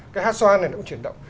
cái hát xoan này nó cũng chuyển động